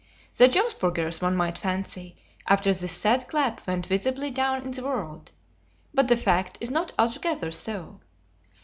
The Jomsburgers, one might fancy, after this sad clap went visibly down in the world; but the fact is not altogether so.